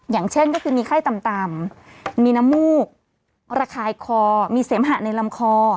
อย่างเช่นก็คือมีไข้ต่ำมีน้ำมูกระคายคอมีเสมหะในลำคอ